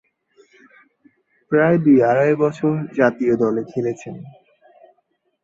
প্রায় দুই-আড়াই বছর জাতীয় দলে খেলছেন।